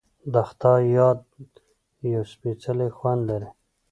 د خدای یاد یو سپیڅلی خوند لري.